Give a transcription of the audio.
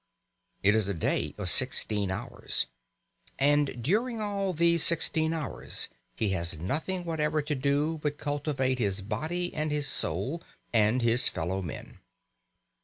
It is a day of sixteen hours; and during all these sixteen hours he has nothing whatever to do but cultivate his body and his soul and his fellow men.